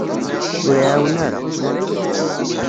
Ur iɛawen ara.